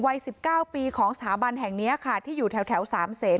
วัยสิบเก้าปีของสถาบันแห่งเนี้ยค่ะที่อยู่แถวแถวสามเซน